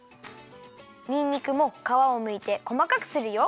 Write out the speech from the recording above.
にんにくもかわをむいてこまかくするよ。